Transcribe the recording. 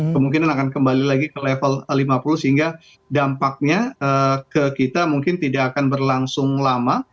kemungkinan akan kembali lagi ke level lima puluh sehingga dampaknya ke kita mungkin tidak akan berlangsung lama